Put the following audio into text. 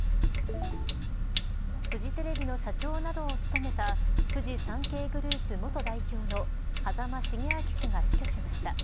フジテレビの社長などを務めたフジサンケイグループ元代表の羽佐間重彰氏が死去しました。